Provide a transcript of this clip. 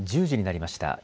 １０時になりました。